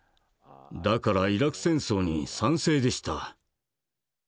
だからイラク戦争に賛成でした。